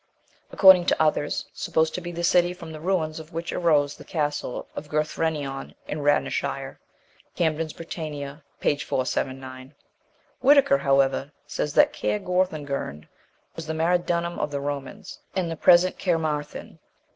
According to others, supposed to be the city from the ruins of which arose the castle of Gurthrenion, in Radnorshire, Camden's Britannia, p.479. Whitaker, however, says that Cair Guorthegirn was the Maridunum of the Romans, and the present Caermarthen.